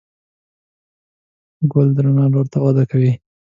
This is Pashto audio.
ګل د رڼا لور ته وده کوي.